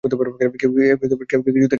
কেউ কি কিছু দেখেছে?